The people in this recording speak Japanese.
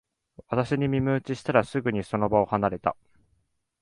私に耳打ちしたら、すぐにその場を離れた